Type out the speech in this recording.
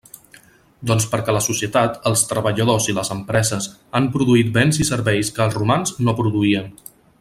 Doncs perquè la societat, els treballadors i les empreses, han produït béns i serveis que els romans no produïen.